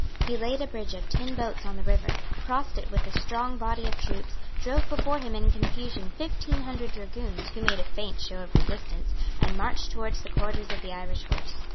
He laid a bridge of tin boats on the river, crossed it with a strong body of troops, drove before him in confusion fifteen hundred dragoons who made a faint show of resistance, and marched towards the quarters of the Irish horse.